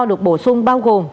được bổ sung bao gồm